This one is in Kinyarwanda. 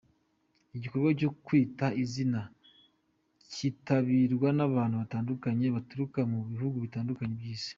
Igikorwa cyo ’Kwita Izina’ kitabirwa n’abantu batandukanye baturuka mu bihugu bitandukanye by’Isi.